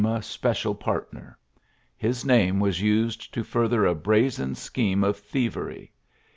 GRANT 137 special partner. His name was used to further a brazen scheme of thievery.